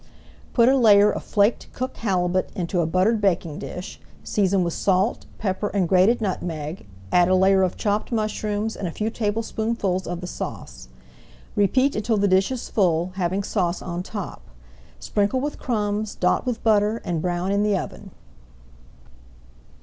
Put a layer of flaked cooked halibut into a buttered baking dish, season with salt, pepper, and grated nutmeg, add a layer of chopped mushrooms and a few tablespoonfuls of the sauce. Repeat until the dish is full, having sauce on top. Sprinkle with crumbs, dot with butter, and brown in the oven.